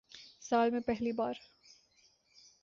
سال میں پہلی بار